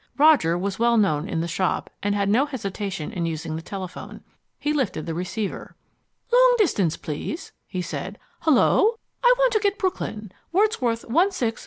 Roger was well known in the shop, and had no hesitation in using the telephone. He lifted the receiver. "Long Distance, please," he said. "Hullo? I want to get Brooklyn, Wordsworth 1617 W."